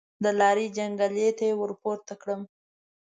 د لارۍ جنګلې ته ورپورته کړم.